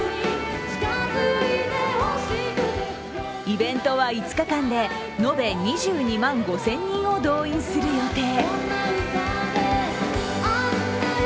イベントは５日間で延べ２２万５０００人を動員する予定。